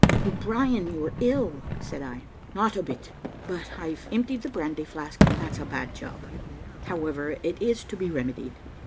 "O'Brien, you are ill," said I. "Not a bit; but I've emptied the brandy flask; and that's a bad job. However, it is to be remedied."